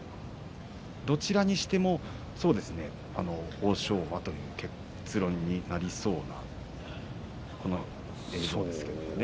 どちらにしても欧勝馬という結論になりそうなこの映像ですね。